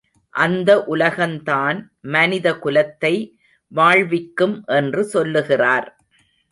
அந்த உலகந்தான் மனித குலத்தை வாழ்விக்கும் என்று சொல்லுகிறார்.